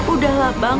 udah lah bang